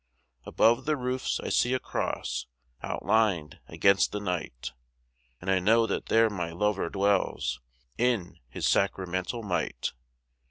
Above the roofs I see a cross outlined against the night, And I know that there my Lover dwells in His sacramental might.